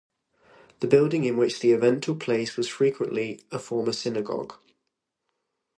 The building in which the event took place was frequently a former synagogue.